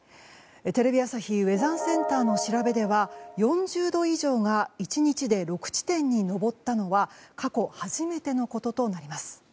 テレビ朝日ウェザーセンターの調べでは４０度以上が１日で６地点に上ったのは過去初めてのこととなります。